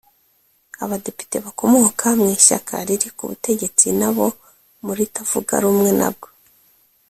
Abadepite bakomoka mu ishyaka riri ku butegetsi n’abo mu ritavuga rumwe na bwo